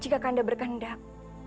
jika kanda berkandak